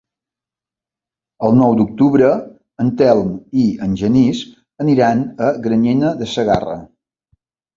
El nou d'octubre en Telm i en Genís aniran a Granyena de Segarra.